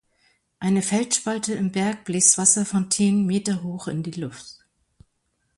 Eine Felsspalte im Berg bläst Wasserfontänen meterhoch in die Luft.